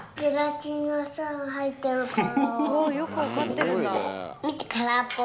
およく分かってるんだ。